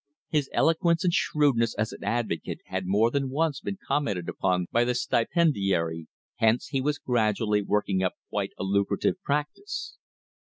His eloquence and shrewdness as an advocate had more than once been commented upon by the stipendiary, hence he was gradually working up quite a lucrative practice.